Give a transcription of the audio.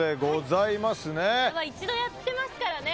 一度やってますからね。